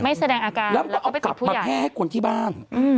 ไม่แสดงอาการแล้วก็เอากลับมาแพ่คนที่บ้าน